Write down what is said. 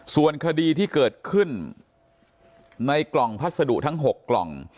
ส่วนคดีที่เกิดขึ้นในกล่องพัสดุทั้ง๖กล่อง